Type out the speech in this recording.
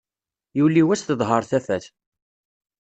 Yuli wass teḍher tafat.